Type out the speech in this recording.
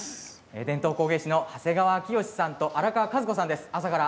伝統工芸士の長谷川秋義さんと荒川和子さんです。